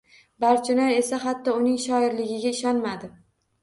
Barchinoy esa hatto uning shoirligiga ishonmadi